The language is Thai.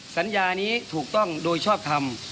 สัญญานี้ถูกต้องโดยชอบทำ